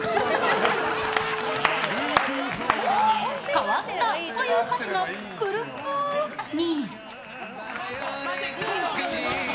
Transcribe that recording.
「変わった」という歌詞が「くるっくぅ」に。